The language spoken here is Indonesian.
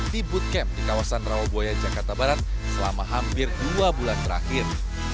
di bootcamp di kawasan rawabuaya jakarta barat selama hampir dua bulan terakhir